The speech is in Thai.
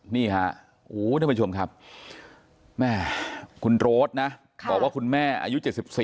นี่ค่ะโอ้ทุกผู้ชมครับคุณโรสนะบอกว่าคุณแม่อายุ๗๔